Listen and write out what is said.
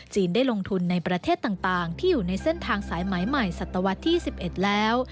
ได้ลงทุนในประเทศต่างที่อยู่ในเส้นทางสายไหมใหม่ศัตวรรษที่๑๑แล้ว